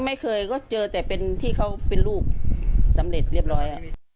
ไม่เคยก็เจอแต่เป็นที่เขาเป็นลูกสำเร็จเรียบร้อย